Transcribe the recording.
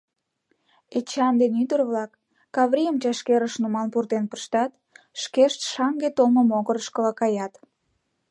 Эчан ден ӱдыр-влак Каврийым чашкерыш нумал пуртен пыштат, шкешт шаҥге толмо могырышкыла каят.